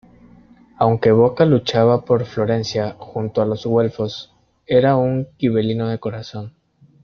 Aunque Bocca luchaba por Florencia junto a los güelfos, era un gibelino de corazón.